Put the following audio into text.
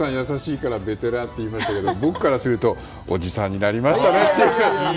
優しいからベテランって言いましたけど、僕からするとおじさんになりましたね。